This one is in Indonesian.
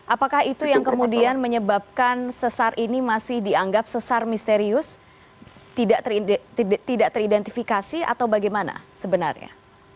apakah itu yang kemudian menyebabkan sesar ini masih dianggap sesar misterius tidak teridentifikasi atau bagaimana sebenarnya